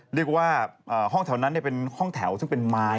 เรียกว่าห้องแถวนั้นเป็นห้องแถวซึ่งเป็นไม้